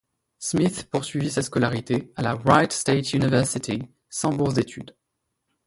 Smith poursuit sa scolarité à la Wright State University sans bourse d'étude.